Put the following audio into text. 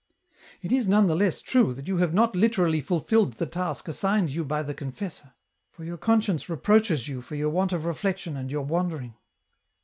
"It is none the less true that you have not literally fulfilled the task assigned you by the confessor, for your conscience reproaches you for your want of reflection and your wandering."